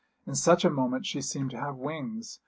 In such a moment she seemed to have wings.